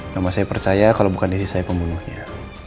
nama saya percaya kalau bukan istri saya pembunuhnya